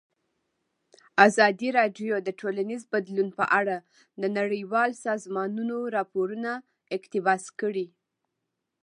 ازادي راډیو د ټولنیز بدلون په اړه د نړیوالو سازمانونو راپورونه اقتباس کړي.